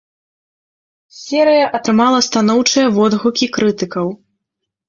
Серыя атрымала станоўчыя водгукі крытыкаў.